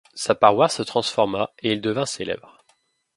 Sa paroisse se transforma et il devint célèbre.